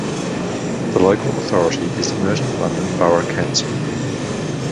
The local authority is Merton London Borough Council.